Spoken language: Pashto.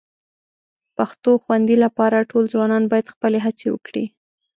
پښتو خوندي لپاره ټول ځوانان باید خپلې هڅې وکړي